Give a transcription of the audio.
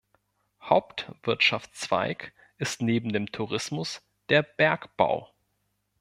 Hauptwirtschaftszweig ist neben dem Tourismus der Bergbau.